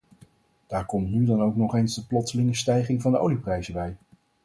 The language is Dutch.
Daar komt nu dan ook nog eens de plotselinge stijging van de olieprijzen bij.